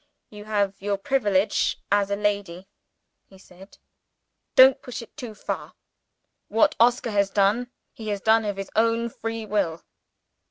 "You have your privilege as a lady," he said. "Don't push it too far. What Oscar has done, he has done of his own free will."